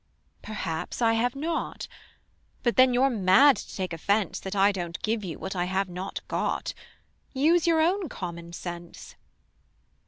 Perhaps I have not; But then you're mad to take offence That I don't give you what I have not got: Use your own common sense.